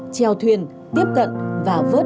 treo thuyền tiếp cận và vớt